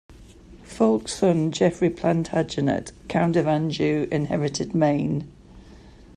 Fulk's son Geoffrey Plantagenet, Count of Anjou inherited Maine.